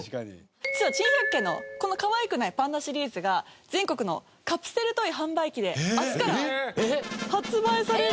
『珍百景』のこのかわいくないパンダシリーズが全国のカプセルトイ販売機で明日から発売されるんです。